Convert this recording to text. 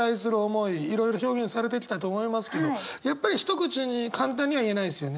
いろいろ表現されてきたと思いますけどやっぱり一口に簡単には言えないですよね。